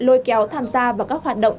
lôi kéo tham gia vào các hoạt động